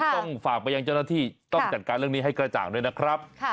ต้องฝากไปยังเจ้าหน้าที่ต้องจัดการเรื่องนี้ให้กระจ่างด้วยนะครับ